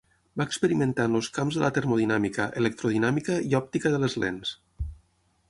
Va experimentar en els camps de la termodinàmica, electrodinàmica i òptica de les lents.